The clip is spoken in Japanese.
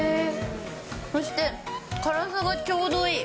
そして、辛さがちょうどいい。